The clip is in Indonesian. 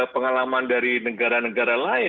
pengalaman dari negara negara lain